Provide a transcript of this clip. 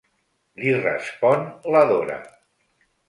Li respon la Dora.